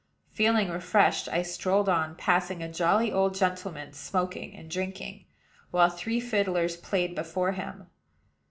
Feeling refreshed, I strolled on, passing a jolly old gentleman smoking and drinking, while three fiddlers played before him.